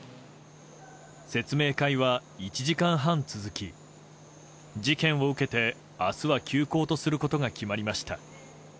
説明会は１時間半続き事件を受けて、明日は休校とすることが決まりました。